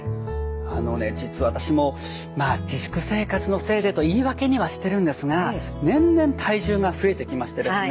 あのね実は私も自粛生活のせいでと言い訳にはしてるんですが年々体重が増えてきましてですね